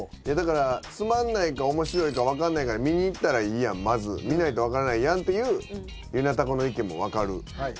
だからつまんないか面白いか分かんないから見に行ったらいいやんまず見ないと分からないやんっていうゆなたこの意見も分かる。